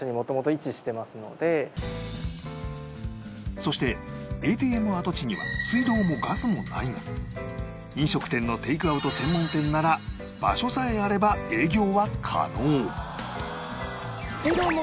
そして ＡＴＭ 跡地には水道もガスもないが飲食店のテイクアウト専門店なら場所さえあれば営業は可能